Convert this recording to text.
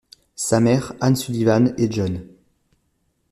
Sa mère Ann Sullivan et John.